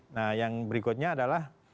nah yang berikutnya adalah